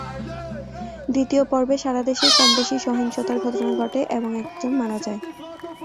দ্বিতীয় পর্বে সারা দেশেই কমবেশি সহিংসতার ঘটনা ঘটে এবং একজন মারা যান।